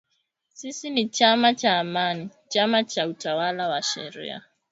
“Sisi ni chama cha Amani, chama cha utawala wa sharia.